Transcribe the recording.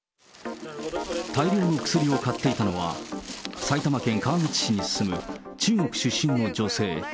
大量の薬を買っていたのは、埼玉県川口市に住む中国出身の女性。